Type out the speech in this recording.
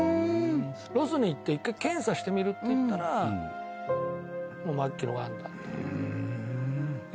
ロスに行って一回検査してみるって言ったら、もう末期のがんで。